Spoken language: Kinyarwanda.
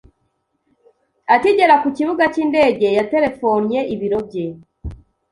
Akigera ku kibuga cy’indege, yaterefonnye ibiro bye.